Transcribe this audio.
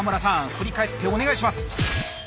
振り返ってお願いします。